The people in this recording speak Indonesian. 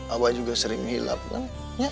abah juga sering kehilap kan